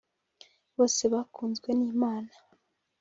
Bose bakunzwe n’Imana